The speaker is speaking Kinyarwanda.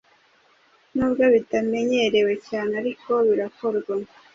nubwo bitamenyerewe cyane ariko birakorwa